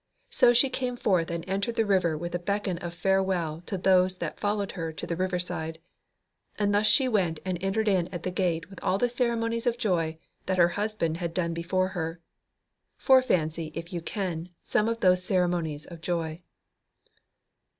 So she came forth and entered the river with a beckon of farewell to those that followed her to the river side. And thus she went and entered in at the gate with all the ceremonies of joy that her husband had done before her. Fore fancy, if you can, some of those ceremonies of joy.